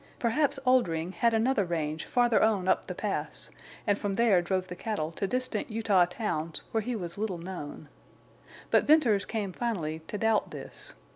Perhaps Oldring had another range farther on up the pass, and from there drove the cattle to distant Utah towns where he was little known. But Venters came finally to doubt this.